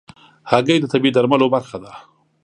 هګۍ د طبيعي درملو برخه ده.